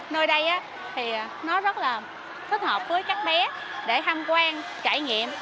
nơi đây thì nó rất là thích hợp với các bé để tham quan trải nghiệm